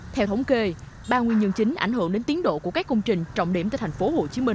theo thống kê ba nguyên nhân chính ảnh hưởng đến tiến độ của các công trình trọng điểm tại tp hcm